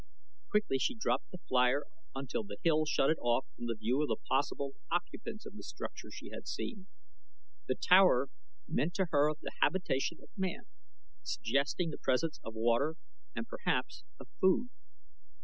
Quickly she dropped the flier until the hill shut it off from the view of the possible occupants of the structure she had seen. The tower meant to her the habitation of man, suggesting the presence of water and, perhaps, of food.